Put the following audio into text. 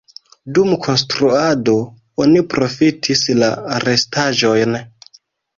Dum konstruado oni profitis la restaĵojn.